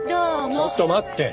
ちょっと待って！